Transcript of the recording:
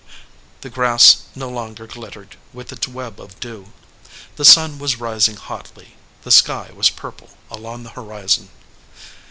The grass no longer glittered with its web of dew. The sun was rising hotly, the sky was pur ple along the horizon.